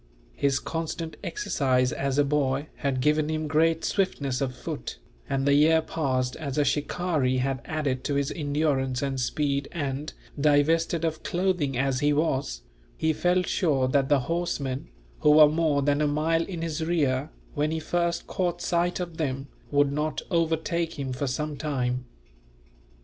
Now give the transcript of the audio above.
His constant exercise as a boy had given him great swiftness of foot, and the year passed as a shikaree had added to his endurance and speed and, divested of clothing as he was, he felt sure that the horsemen, who were more than a mile in his rear when he first caught sight of them, would not overtake him for some time.